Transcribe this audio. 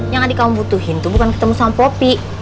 yang adik kamu butuhin tuh bukan ketemu sama popi